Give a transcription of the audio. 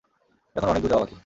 এখনো অনেক দূর যাওয়া বাকি।